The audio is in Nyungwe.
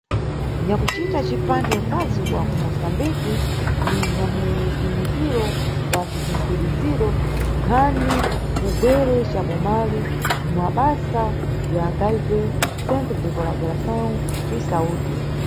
Nyakucita cipande nkazi wa kuMusambiki ni nyamuyimikiro wa cigunkhuliziro nkhani mugwere ca Bomalini mumabasa ya HIV, Centro de Colaboração e Saúde.